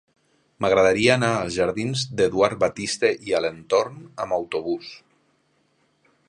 M'agradaria anar als jardins d'Eduard Batiste i Alentorn amb autobús.